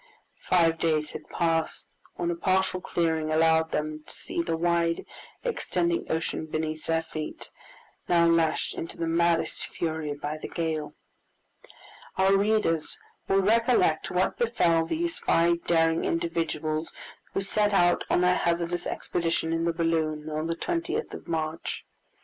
Five days had passed when a partial clearing allowed them to see the wide extending ocean beneath their feet, now lashed into the maddest fury by the gale. Our readers will recollect what befell these five daring individuals who set out on their hazardous expedition in the balloon on the 20th of March.